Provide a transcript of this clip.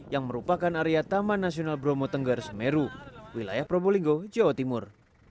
yang merupakan area taman nasional bromo tengger semeru wilayah probolinggo jawa timur